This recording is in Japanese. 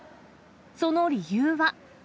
その理由は。